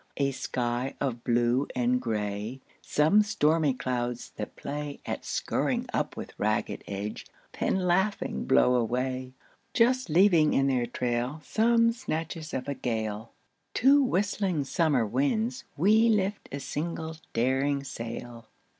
A sky of blue and grey; Some stormy clouds that play At scurrying up with ragged edge, then laughing blow away, Just leaving in their trail Some snatches of a gale; To whistling summer winds we lift a single daring sail.